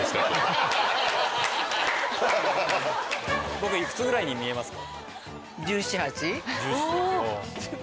僕いくつくらいに見えますか？